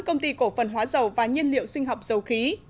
công ty cổ phần hóa dầu và nhiên liệu sinh học dầu khí